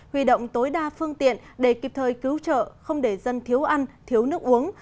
huy động tối đa phương tiện để kịp thời cứu trợ không để dân thiếu ăn thiếu nước uống